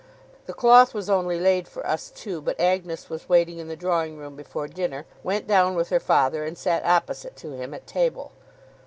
The cloth was only laid for us two; but Agnes was waiting in the drawing room before dinner, went down with her father, and sat opposite to him at table.